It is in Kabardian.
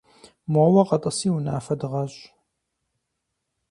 Моуэ къэтӏыси унафэ дыгъэщӏ.